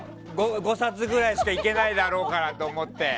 ５冊ぐらいしかいけないだろうからと思って。